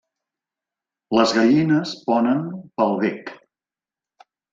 Les gallines ponen pel bec.